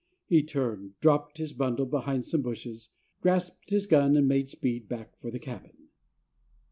He turned, dropped his bundle behind some bushes, grasped his gun, and made speed back for the cabin.